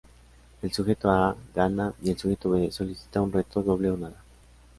El sujeto A gana, y el sujeto B solicita un reto "doble o nada".